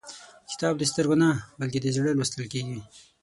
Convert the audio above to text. کتاب د سترګو نه، بلکې د زړه لوستل کېږي.